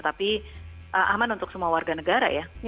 tapi aman untuk semua warga negara ya